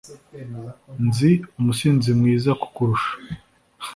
Nzi umusinzi mwiza kukurusha